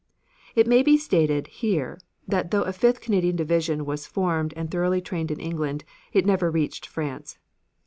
It may be stated here that though a fifth Canadian division was formed and thoroughly trained in England, it never reached France.